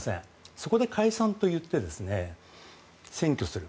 そこで解散と言って選挙する。